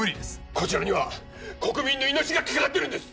こちらには国民の命がかかってるんです！